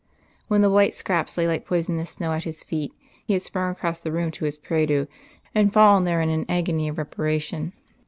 When the white scraps lay like poisonous snow at his feet, he had sprung across the room to his prie dieu, and fallen there in an agony of reparation.